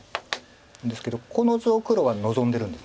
ですけどこの図を黒は望んでるんです。